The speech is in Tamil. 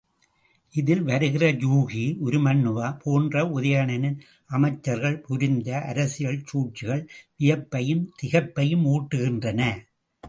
இதில் வருகிற யூகி, உருமண்ணுவா போன்ற உதயணனின் அமைச்சர்கள் புரிந்த அரசியல் சூழ்ச்சிகள் வியப்பையும் திகைப்பையும் ஊட்டுகின்றன.